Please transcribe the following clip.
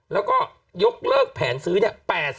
แล้วก็ยกเลิกแผนซื้อเนี่ย